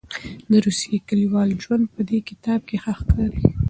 د روسیې کلیوال ژوند په دې کتاب کې ښه ښکاري.